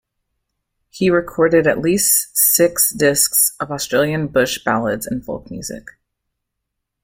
He recorded at least six discs of Australian Bush ballads and folk music.